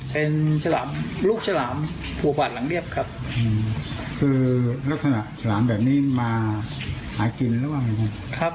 เป็นฉลามลูกฉลามผูกบาดหลังเรียบครับคือลักษณะฉลามแบบนี้มาหากินหรือว่าไงครับ